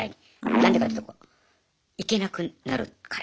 何でかっていうと行けなくなるから。